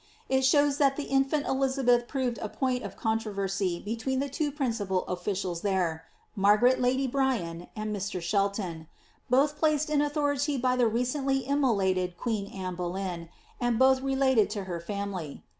It shows that the infant Eliza beth proved a point of controversy between the two principal officiab there, Margaret lady Bryan and Mr. Shelton ; both placed in authority by the recently immolated queen Anne Boleyn, and both related to her family.